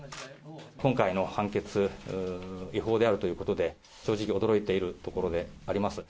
今回の判決、違法であるということで、正直驚いているところであります。